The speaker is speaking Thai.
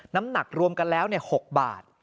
น้ำหนักรวมกันแล้ว๖บาท